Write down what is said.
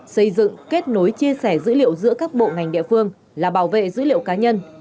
xây dựng kết nối chia sẻ dữ liệu giữa các bộ ngành địa phương là bảo vệ dữ liệu cá nhân